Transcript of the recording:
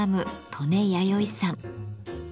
刀根弥生さん。